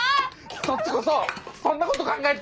そっちこそそんなこと考えてたんだな！